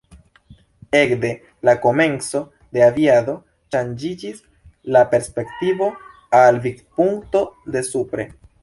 Ekde la komenco de aviado, ŝanĝiĝis la perspektivo al vidpunkto de supre.